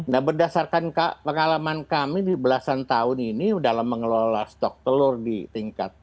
nah berdasarkan pengalaman kami di belasan tahun ini dalam mengelola stok telur di tingkat rp dua puluh enam dua puluh tujuh